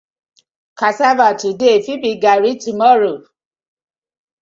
Cassava today fit be Garri tomorrow.